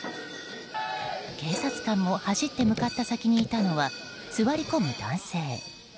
警察官も走って向かった先にいたのは座り込む男性。